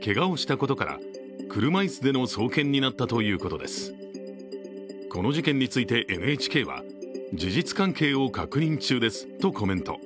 この事件についてＮＨＫは事実関係を確認中ですとコメント。